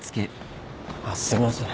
あっすいません。